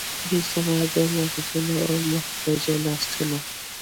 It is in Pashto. بې سواده مغزونه او محتاج لاسونه.